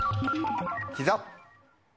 「ひざ」。